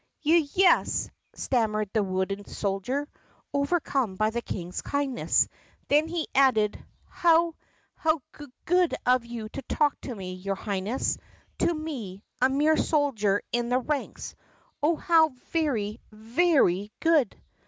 "Y yes," stammered the wounded soldier, overcome by the King's kindness. Then he added : "How — how g good of you to talk to me, your highness. To me — a mere soldier in the ranks. Oh, how very, very good!"